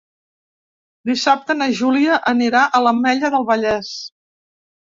Dissabte na Júlia anirà a l'Ametlla del Vallès.